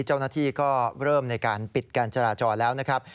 เจ้าหน้าที่ก็เริ่มในการปิดการจราจรแล้วนะครับ